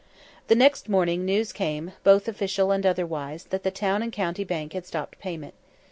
The next morning news came, both official and otherwise, that the Town and County Bank had stopped payment.